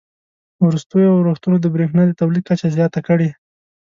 وروستیو اورښتونو د بریښنا د تولید کچه زیاته کړې